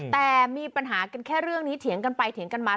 แต่มีปัญหากันแค่เรื่องนี้เถียงกันไปเถียงกันมา